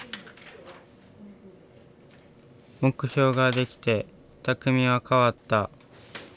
目標ができてたくみは変わった。